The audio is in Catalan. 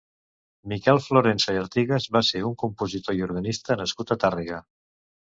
Miquel Florensa i Artigues va ser un compositor i organista nascut a Tàrrega.